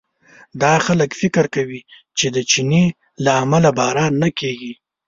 دا خلک فکر کوي چې د چیني له امله باران نه کېږي.